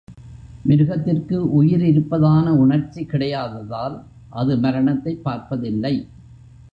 மிருகத்திற்கு உயிர் இருப்பதான உணர்ச்சி கிடையாததால், அது மரணத்தைப் பார்ப்பதில்லை.